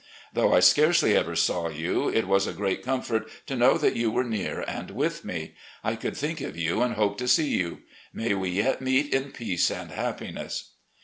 Though I scarcely ever saw you, it was a great comfort to know that you were near and with me. I could think of you and hope to see you. May we yet meet in peace and happiness.